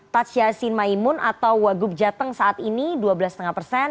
taj yassin maimun atau wagub jateng saat ini dua belas lima persen